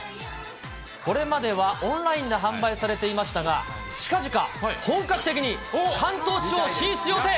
これまではオンラインで販売されていましたが、近々、本格的に関東地方進出予定。